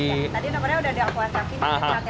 tadi nomernya udah di akuasakin ini tiga teman aja